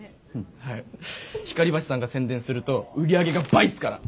光橋さんが宣伝すると売り上げが倍っすから。